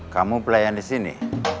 kamu pelayan disini